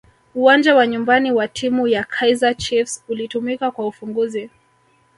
uwanja wa nyumbani wa timu ya kaizer chiefs ulitumika kwa ufunguzi